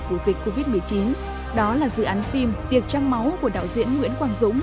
của dịch covid một mươi chín đó là dự án phim tiệc trăng máu của đạo diễn nguyễn quang dũng